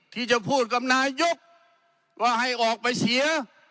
ที่จะพูดกับนายกว่าให้ออกไปเสีย